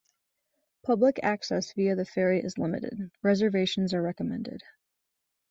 Public access via the ferry is limited, reservations are recommended.